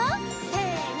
せの！